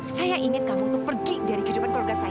saya ingin kamu untuk pergi dari kehidupan keluarga saya